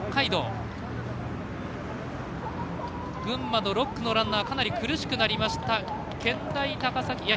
群馬の６区のランナーかなり苦しくなりました。